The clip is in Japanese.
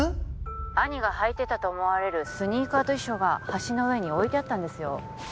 兄が履いてたと思われるスニーカーと遺書が橋の上に置いてあったんですよ